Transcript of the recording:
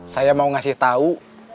saya mau ngasih tau